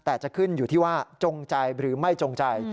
แต่จะขึ้นอยู่ที่ว่าจงใจหรือไม่จงใจ